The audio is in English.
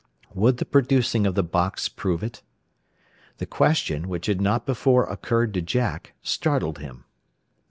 Would the producing of the box prove it? The question, which had not before occurred to Jack, startled him.